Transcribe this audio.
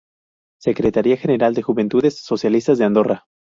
Secretaria General de Juventudes Socialistas de Andorra.